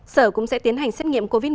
sở cũng sẽ tiến hành xét nghiệm covid một mươi